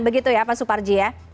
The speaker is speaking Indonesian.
begitu ya pak suparji ya